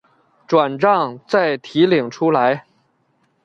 转帐再提领出来